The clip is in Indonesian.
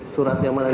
surat yang mana